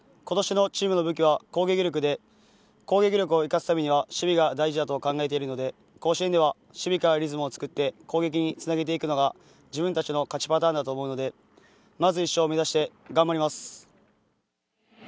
ことしのチームの武器は攻撃力で攻撃力を生かすためには守備が大事だと考えているので甲子園では守備からリズムを作って攻撃につなげていくのが自分たちの勝ちパターンだと思うのでまず、１勝を目指して頑張ります！